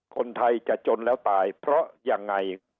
คนไทยจะจนแล้วตายเพราะยังไง